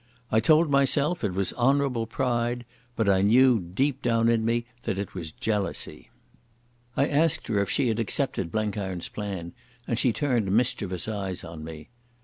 I told myself it was honourable pride, but I knew deep down in me that it was jealousy. I asked her if she had accepted Blenkiron's plan, and she turned mischievous eyes on me.